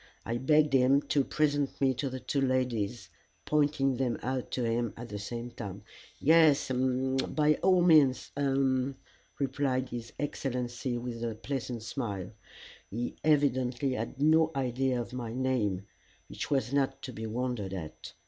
I begged him to present me to the two ladies, pointing them out to him at the same time. "Yes uh by all means uh," replied his Excellency with a pleasant smile. He evidently had no idea of my name, which was not to be wondered at.